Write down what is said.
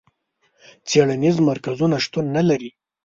څېړنیز مرکزونه شتون نه لري.